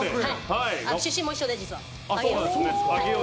出身も一緒で、実は。